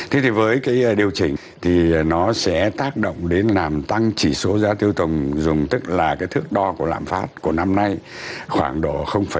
thế thì với cái điều chỉnh thì nó sẽ tác động đến làm tăng chỉ số giá tiêu tùng dùng tức là cái thước đo của lạm phát của năm nay khoảng độ một trăm bốn mươi bốn